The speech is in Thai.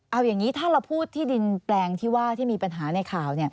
เอาอย่างนี้ถ้าเราพูดที่ดินแปลงที่ว่าที่มีปัญหาในข่าว